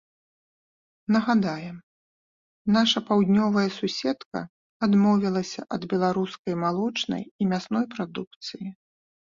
Нагадаем, наша паўднёвая суседка адмовілася ад беларускай малочнай і мясной прадукцыі.